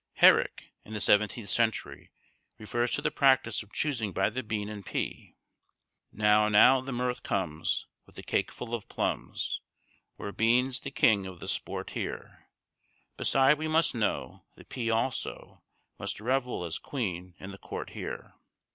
Herrick, in the seventeenth century, refers to the practice of choosing by the bean and pea:— "Now, now the mirth comes, With the cake full of plums, Where beane's the king of the sport here; Beside we must know, The pea also Must revell as queene in the court here.